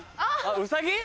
ウサギ？